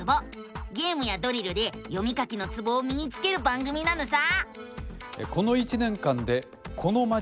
ゲームやドリルで読み書きのツボをみにつける番組なのさ！